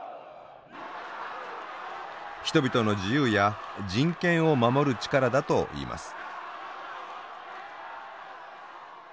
人々の自由や人権を守る力だと言います。